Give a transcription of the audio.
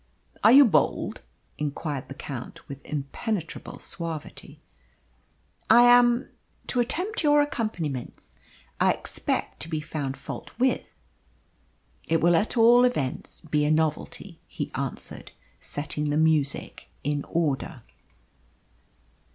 "Are you bold?" inquired the Count, with impenetrable suavity. "I am to attempt your accompaniments. I expect to be found fault with." "It will at all events be a novelty," he answered, setting the music in order.